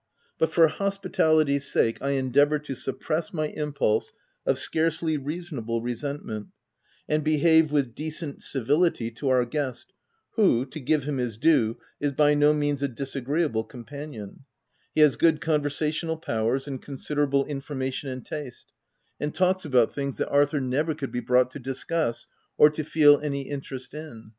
But for hospitality's sake, I endeavour to suppress my impulse of scarcely reasonable resentment, and behave with decent civility to our guest, who, to give him his due, is by no means a disagreeable companion : he has good conversational powers and considerable inform ation and taste, and talks about things that OP WILDFELL HALL. 129 Arthur never could be brought to discuss, or to feel any interest in.